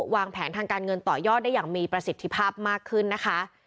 วางแผนทางการเงินต่อยอดได้อย่างมีประสิทธิภาพมากขึ้นนะคะ